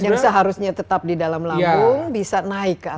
yang seharusnya tetap di dalam lambung bisa naik ke atas